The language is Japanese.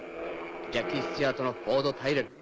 ジャッキスチュアートのフォードタイレル。